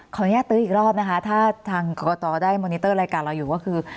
อนุญาตตื้ออีกรอบนะคะถ้าทางกรกตได้มอนิเตอร์รายการเราอยู่ก็คือ